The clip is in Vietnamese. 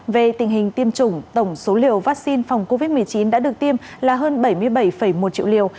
về tình hình tiêm chủng tổng số liều vaccine phòng covid một mươi chín đã được tiêm là hơn bảy mươi bảy một triệu liều